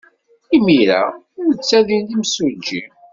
Imir-a, netta d imsujji.